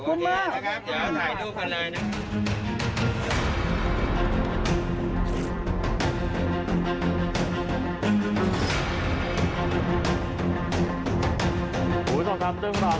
ขอบคุณมากนะครับอยากถ่ายโทรศัพท์กับคนร้ายนะ